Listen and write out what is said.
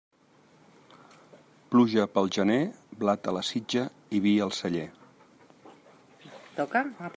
Pluja pel gener, blat a la sitja i vi al celler.